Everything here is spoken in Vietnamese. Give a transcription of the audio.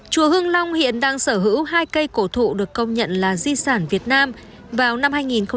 chùa hương long hiện đang sở hữu hai cây cổ thụ được công nhận là di sản việt nam vào năm hai nghìn một mươi